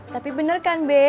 tapi bener kan be